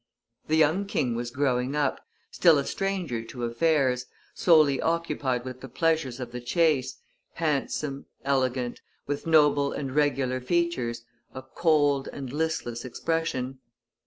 The young king was growing up, still a stranger to affairs, solely occupied with the pleasures of the chase, handsome, elegant, with noble and regular features, a cold and listless expression.